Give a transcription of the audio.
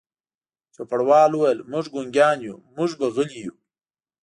چوپړوال وویل: موږ ګونګیان یو، موږ به غلي وو.